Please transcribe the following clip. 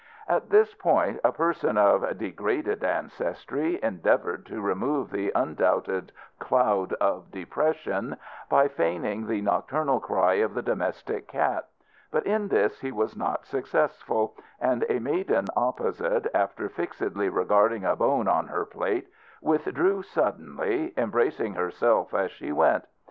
At this point a person of degraded ancestry endeavoured to remove the undoubted cloud of depression by feigning the nocturnal cry of the domestic cat; but in this he was not successful, and a maiden opposite, after fixedly regarding a bone on her plate, withdrew suddenly, embracing herself as she went.